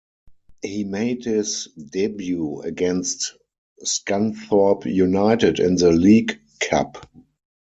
He made his debut against Scunthorpe United in the League Cup.